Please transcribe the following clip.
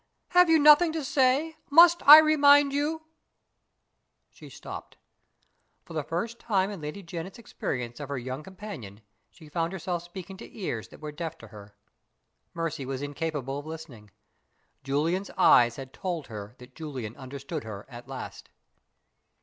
Have you nothing to say? Must I remind you " She stopped. For the first time in Lady Janet's experience of her young companion, she found herself speaking to ears that were deaf to her. Mercy was incapable of listening. Julian's eyes had told her that Julian understood her at last!